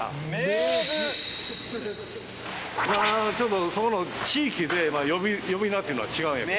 ちょっとそこの地域で呼び名っていうのは違うんやけど。